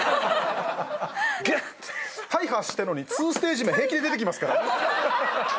大破してんのに２ステージ目平気で出てきますから。